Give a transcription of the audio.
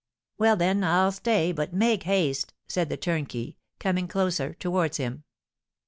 "Well, then, I'll stay, but make haste," said the turnkey, coming closer towards him.